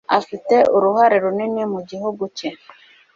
Afite uruhare runini ku gihugu cye